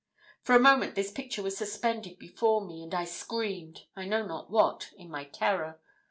For a moment this picture was suspended before me, and I screamed, I know not what, in my terror.